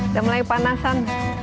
udah mulai panasan